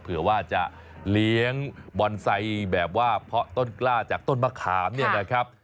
เผื่อว่าจะเลี้ยงบอนไซค์แบบว่าเพาะต้นกล้าจากต้นมะขามเนี่ยนะครับ